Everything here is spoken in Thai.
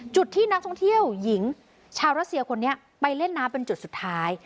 จุดที่นักท่องเที่ยวหญิงชาวรัสเซียคนนี้ไปเล่นน้ำเป็นจุดสุดท้าย